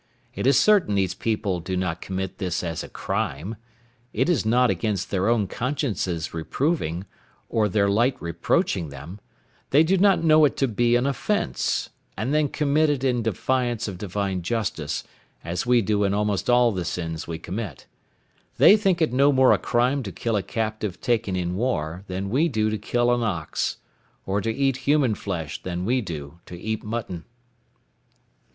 It is certain these people do not commit this as a crime; it is not against their own consciences reproving, or their light reproaching them; they do not know it to be an offence, and then commit it in defiance of divine justice, as we do in almost all the sins we commit. They think it no more a crime to kill a captive taken in war than we do to kill an ox; or to eat human flesh than we do to eat mutton."